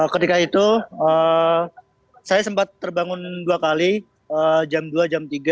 ketika itu saya sempat terbangun dua kali jam dua jam tiga